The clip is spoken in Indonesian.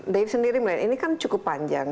dave sendiri melihat ini kan cukup panjang